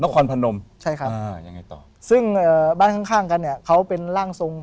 นครพนมใช่ครับซึ่งบ้านข้างกันเนี่ยเขาเป็นร่างทรง